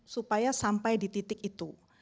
supaya sampai di titik itu